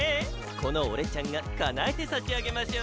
この俺ちゃんが叶えてさしあげましょう！